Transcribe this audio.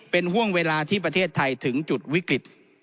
เป็นห่วงเวลาที่ประเทศไทยถึงจุดวิกฤต